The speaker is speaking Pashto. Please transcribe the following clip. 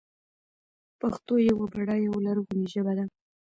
پښتو يوه بډايه او لرغونې ژبه ده.